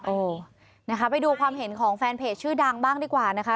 โอ้นะคะไปดูความเห็นของแฟนเพจชื่อดังบ้างดีกว่านะคะ